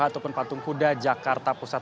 ataupun patung kuda jakarta pusat